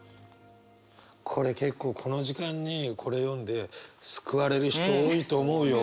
これ結構この時間にこれ読んで救われる人多いと思うよ。